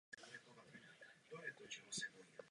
Španělský a babička královna Marie Terezie.